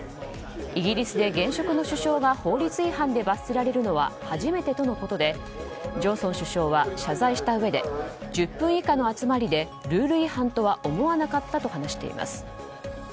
イギリスで、現職の首相が法律違反で罰せられるのは初めてとのことでジョンソン首相は謝罪したうえで１０分以下の集まりでルール違反とは思わなかったと話しています。